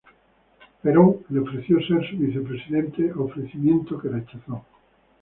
Perón le ofreció ser su vicepresidente, ofrecimiento que rechazó.